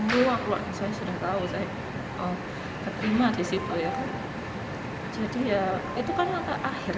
jadi ya itu kan akhir guys sebetulnya